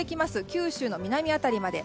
九州の南辺りまで。